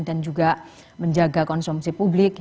dan juga menjaga konsumsi publik